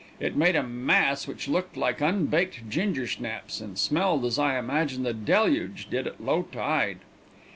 It made a mass which looked like unbaked ginger snaps, and smelled as I imagine the deluge did at low tide.